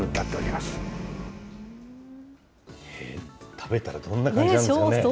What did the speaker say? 食べたらどんな感じなんでしょうね。